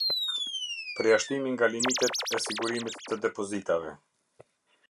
Përjashtimi nga limitet e sigurimit të depozitave.